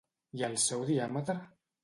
I el seu diàmetre?